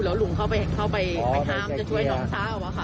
แล้วลุงเข้าไปห้ามจะช่วยน้องสาวอะค่ะ